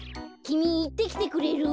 きみいってきてくれる？